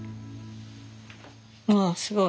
ああすごい！